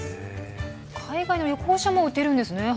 海外の旅行者も打てるんですね。